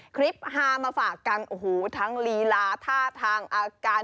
ฮามาฝากกันโอ้โหทั้งลีลาท่าทางอาการ